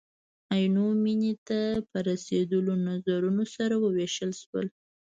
عینو مینې ته په رسېدلو نظرونه سره ووېشل شول.